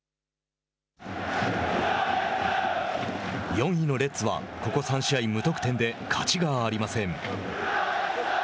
４位のレッズはここ３試合無得点で勝ちがありません。